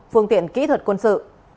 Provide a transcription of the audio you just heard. phương tiện kỹ thuật quân sự